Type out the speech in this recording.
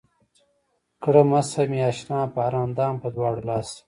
کړه مسحه مې اشنا پۀ هر اندام پۀ دواړه لاسه